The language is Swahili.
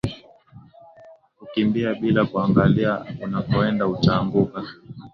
Kukimbia bila kuangalia unakoenda utaanguka